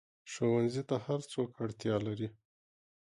ښوونځی ته هر څوک اړتیا لري